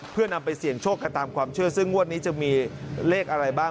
เพื่อนำไปเสี่ยงโชคกันตามความเชื่อซึ่งงวดนี้จะมีเลขอะไรบ้าง